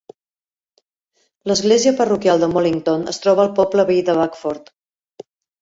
L'església parroquial de Mollington es troba al poble veí de Backford.